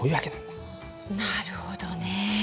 なるほどね。